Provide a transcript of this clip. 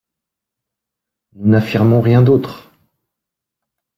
Nous n’affirmons rien d’autre.